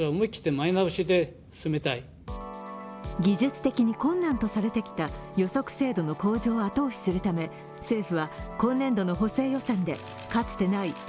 技術的に困難とされてきた予測精度の向上を後押しするため政府は今年度の補正予算でかつてない